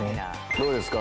どうですか？